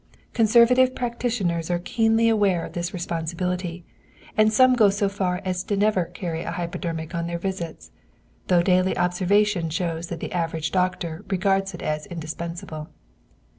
Conservative practitioners are keenly aware of this responsibility, and some go so far as never to carry a hypodermic on their visits, though daily observation shows that the average doctor regards it as indispensable.